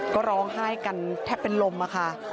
ก็ร้องไห้กันแทบเป็นลมค่ะ